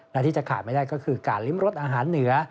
และที่จะขาดไม่ได้ก็คือการลิ้มรสอาหารเหนือ